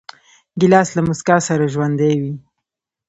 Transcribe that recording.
ګیلاس له موسکا سره ژوندی وي.